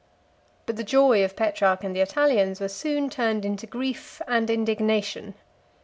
But the joy of Petrarch and the Italians was soon turned into grief and indignation.